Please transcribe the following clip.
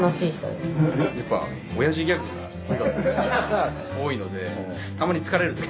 やっぱ親父ギャグが多いのでたまに疲れる。